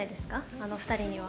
あの二人には。